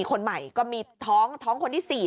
คนใหม่ก็มีท้องท้องคนที่สี่